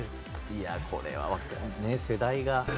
いやこれは世代が。